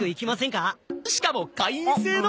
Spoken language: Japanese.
しかも会員制の！